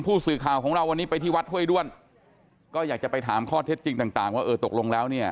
ผู้สื่อข่าวของเราวันนี้ไปที่วัดห้วยด้วนก็อยากจะไปถามข้อเท็จจริงต่างต่างว่าเออตกลงแล้วเนี่ย